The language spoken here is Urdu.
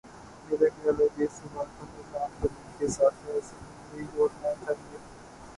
میرا خیال ہے کہ اس سوال کو نظام تعلیم کے ساتھ بحیثیت مجموعی جوڑنا چاہیے۔